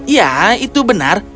ya itu benar